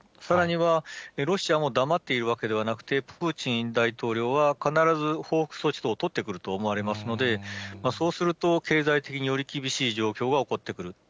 さらには、ロシアも黙っているわけではなくて、プーチン大統領は必ず報復措置を取ってくると思われますので、そうすると、経済的により厳しい状況が起こってくる。